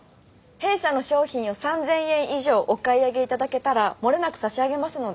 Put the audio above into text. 弊社の商品を３，０００円以上お買い上げ頂けたら漏れなく差し上げますので。